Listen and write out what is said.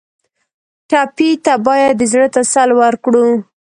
ټپي ته باید د زړه تسل ورکړو.